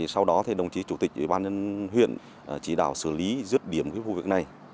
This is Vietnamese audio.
sau đó đồng chí chủ tịch ủy ban nhân huyện chỉ đạo xử lý rước điểm vụ việc này